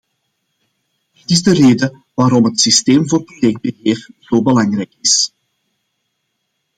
Dat is de reden waarom het systeem voor projectbeheer zo belangrijk is.